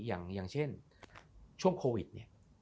อย่างเช่นช่วงโควิดเนี่ย